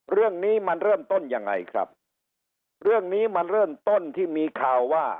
เรื่องนี้มันเริ่มต้นยังไงครับเรื่องนี้มันเริ่มต้นที่มีข่าวว่า